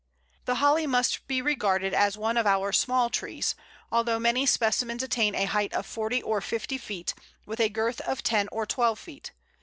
The Holly must be regarded as one of our small trees, although many specimens attain a height of forty or fifty feet, with a girth of ten or twelve feet.